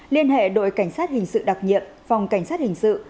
liên hệ đội cảnh sát hình sự đặc nhiệm phòng cảnh sát hình sự